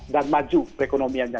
dan maju perekonomiannya